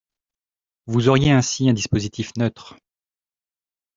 Vous auriez ainsi un dispositif neutre.